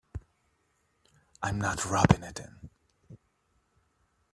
I'm not rubbing it in.